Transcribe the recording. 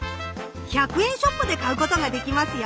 １００円ショップで買うことができますよ。